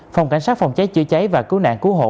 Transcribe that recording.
phòng cảnh sát phòng cháy chữa cháy và cứu nạn cứu hộ